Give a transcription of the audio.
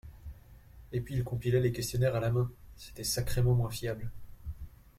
Et puis ils compilaient les questionnaires à la main, c’était sacrément moins fiable.